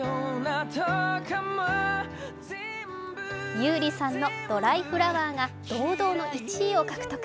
優里さんの「ドライフラワー」が堂々の１位を獲得。